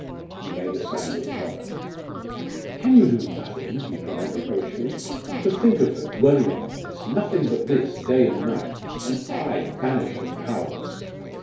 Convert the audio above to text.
He made a sound of horror. "Can you do nothing?" he cried reproachfully. "To think of her dwelling upon this nothing but this, day and night and I, banished and powerless!"